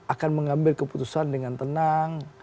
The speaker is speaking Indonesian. akan mengambil keputusan dengan tenang